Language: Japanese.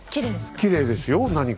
きれいですよ何か。